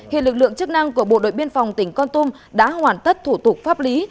hiện lực lượng chức năng của bộ đội biên phòng tỉnh con tum đã hoàn tất thủ tục pháp lý